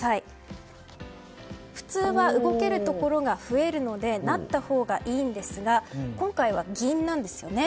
普通は動けるところが増えるので成ったほうがいいんですが今回は銀なんですよね。